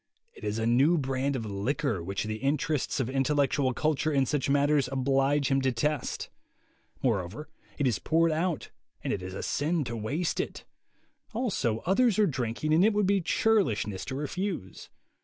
It is a new brand of liquor which the interests of intellectual culture in such matters oblige him to test; moreover it is poured out and it is sin to waste it; also others are drinking and it would be churlishness to refuse.